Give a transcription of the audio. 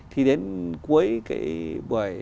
thì đến cuối cái buổi